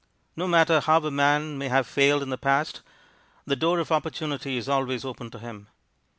No matter how a man may have failed in the past, the door of opportunity is always open to him.